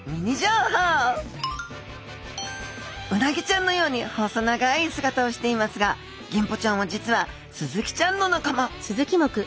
うなぎちゃんのように細長い姿をしていますがギンポちゃんは実はスズキちゃんの仲間。